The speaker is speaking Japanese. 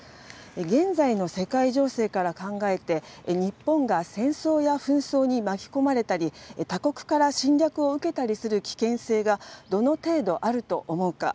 現在の世界情勢から考えて、日本が戦争や紛争に巻き込まれたり、他国から侵略を受けたりする危険性が、どの程度あると思うか。